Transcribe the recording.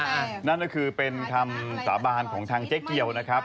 นั่นก็คือเป็นคำสาบานของทางเจ๊เกียวนะครับ